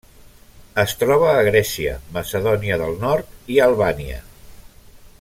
Es troba a Grècia, Macedònia del Nord i Albània.